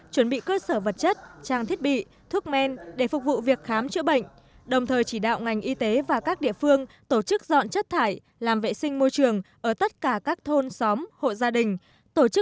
chuẩn bị cơ sở vật chất trang thiết bị thuốc men để phục vụ việc khám chữa bệnh đồng thời chỉ đạo ngành y tế và các địa phương tổ chức dọn chất thải làm vệ sinh môi trường ở tất cả các thôn xóm hội gia đình